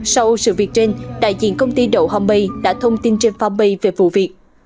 sau sự việc trên đại diện công ty đậu homemade đã thông tin trên phan made về vụ việc